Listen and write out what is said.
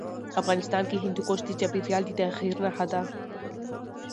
افغانستان کې هندوکش د چاپېریال د تغیر نښه ده.